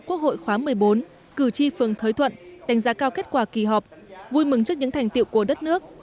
quốc hội khóa một mươi bốn cử tri phường thới thuận đánh giá cao kết quả kỳ họp vui mừng trước những thành tiệu của đất nước